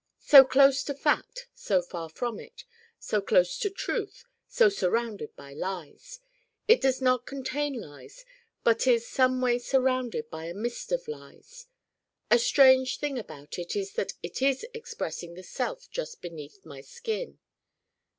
So close to fact: so far from it. So close to truth: so surrounded by lies. It does not contain lies but is someway surrounded by a mist of lies. A strange thing about it is that it is expressing the Self Just Beneath My Skin.